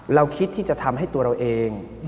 เราคิดที่จะทำให้ตัวเราเอง